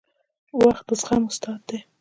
• وخت د زغم استاد دی.